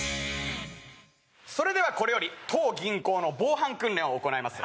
それではこれより当銀行の防犯訓練を行います